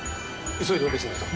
急いでオペしないと。